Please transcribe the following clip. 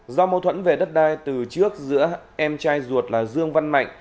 do mâu thuẫn về đất đai từ trước giữa em trai ruột là dương văn mạnh